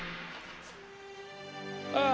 ああ。